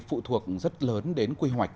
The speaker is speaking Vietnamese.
phụ thuộc rất lớn đến quy hoạch